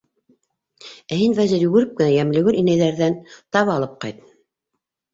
- Ә һин, Вәзир, йүгереп кенә Йәмлегөл инәйҙәрҙән таба алып ҡайт.